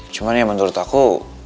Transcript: cuman ya menurut aku